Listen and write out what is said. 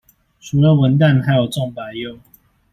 除了文旦還有種白柚